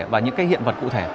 và những cái hiện vật cụ thể